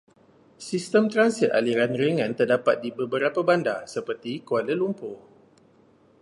Sistem transit aliran ringan terdapat di beberapa bandar, seperti Kuala Lumpur.